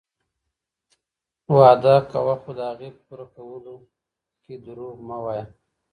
وعده کوه خو د هغې په پوره کولو کي دروغ مه وایه.